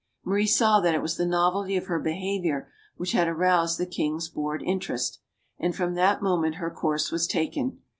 Marie saw that it was the novelty of her behavior which had aroused the king's bored interest. And from that moment her course was taken.